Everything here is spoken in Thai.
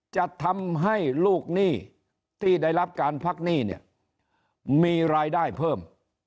จะทำให้ลูกหนี้ที่ได้รับการพักหนี้เนี่ยมีรายได้เพิ่ม